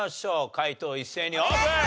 解答一斉にオープン！